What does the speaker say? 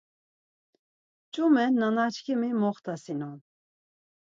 Ç̆umen nanaçkimi moxtasinon.